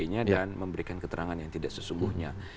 intinya dan memberikan keterangan yang tidak sesungguhnya